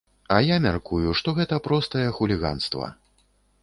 А я мяркую, што гэта простае хуліганства.